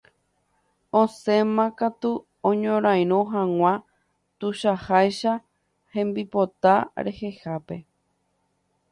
Osẽmakatu oñorairõ hag̃ua tuichaháicha hembipota rehehápe.